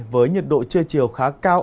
với nhiệt độ chưa chiều khá cao